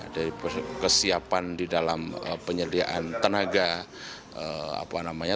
dari kesiapan di dalam penyediaan tenaga